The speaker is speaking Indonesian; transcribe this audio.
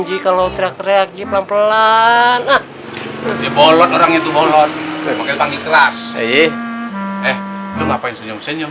ji kalau teriak teriaknya pelan pelan bolot orang itu bolot makin keras eh eh ngapain senyum senyum